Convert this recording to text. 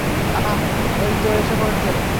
আহ, ওই তো, এসে পড়েছেন।